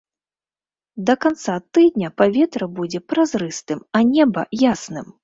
Да канца тыдня паветра будзе празрыстым, а неба ясным.